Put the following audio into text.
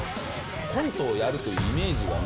コントをやるというイメージ